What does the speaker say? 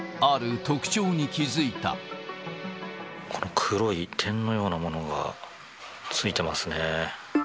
この黒い点のようなものがついてますね。